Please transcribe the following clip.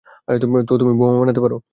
তো তুমি বোমা বানাতে পারো?